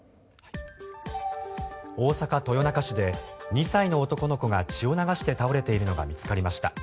大阪・豊中市で２歳の男の子が血を流して倒れているのが見つかりました。